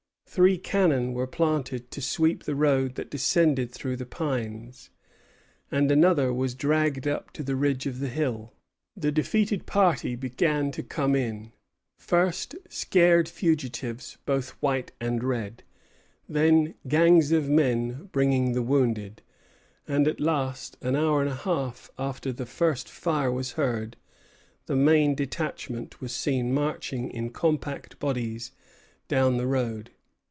Three cannon were planted to sweep the road that descended through the pines, and another was dragged up to the ridge of the hill. The defeated party began to come in; first, scared fugitives both white and red; then, gangs of men bringing the wounded; and at last, an hour and a half after the first fire was heard, the main detachment was seen marching in compact bodies down the road.